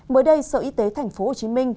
mới đây sở y tế tp hcm